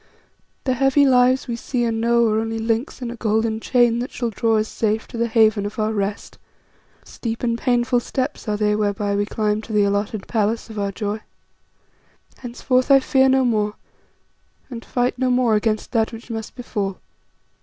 The heavy lives we see and know are only links in a golden chain that shall draw us safe to the haven of our rest; steep and painful steps are they whereby we climb to the alloted palace of our joy. Henceforth I fear no more, and fight no more against that which must befall.